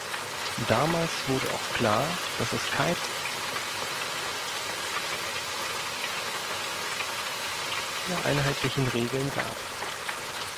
Damals wurde auch klar, dass es keine einheitlichen Regeln gab.